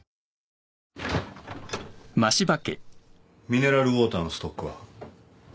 ミネラルウオーターのストックは？